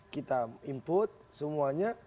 kita input semuanya